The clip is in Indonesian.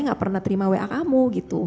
gak pernah terima wa kamu gitu